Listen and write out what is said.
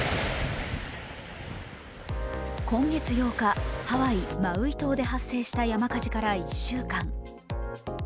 今月８日、ハワイ・マウイ島で発生した山火事から１週間。